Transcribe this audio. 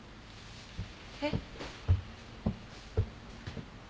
えっ？